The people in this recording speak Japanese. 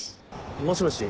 もしもし。